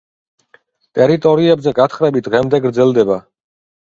ტერიტორიებზე გათხრები დღემდე გრძელდება.